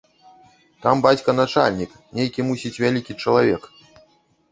Там бацька начальнік, нейкі, мусіць, вялікі чалавек.